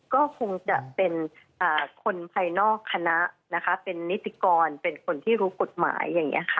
ก็คงจะเป็นคนภายนอกคณะนะคะเป็นนิติกรเป็นคนที่รู้กฎหมายอย่างนี้ค่ะ